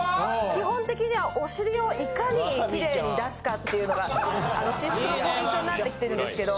基本的にはお尻をいかに綺麗に出すかっていうのが私服のポイントになってきてるんですけど。